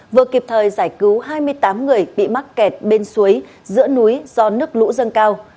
vừa kịp thời giải cứu hai mươi tám người bị mắc kẹt bên suối giữa núi do nước lũ dâng cao